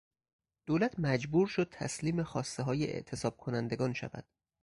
دولت مجبور شد تسلیم خواستههای اعتصاب کنندگان شود.